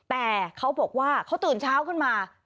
แต่เขาบอกว่าเขาตื่นเช้าขึ้นมา